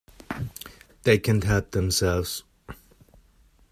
They can't help themselves.